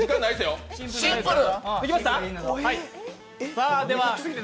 シンプル！